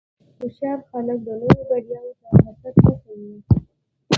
هوښیار خلک د نورو بریاوو ته حسد نه کوي.